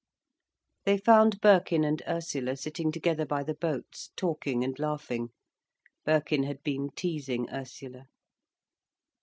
They found Birkin and Ursula sitting together by the boats, talking and laughing. Birkin had been teasing Ursula.